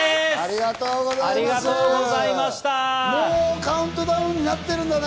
もうカウントダウンになってるんだね。